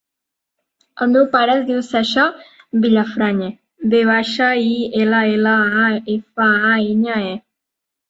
El meu pare es diu Sasha Villafañe: ve baixa, i, ela, ela, a, efa, a, enya, e.